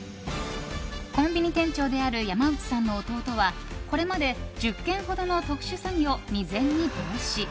コンビニ店長である山内さんの弟はこれまで１０件ほどの特殊詐欺を未然に防止。